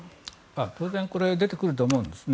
当然これ出てくると思うんですね。